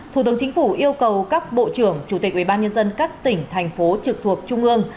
thủ tướng chính phủ yêu cầu các bộ trưởng chủ tịch ubnd các tỉnh thành phố trực thuộc trung ương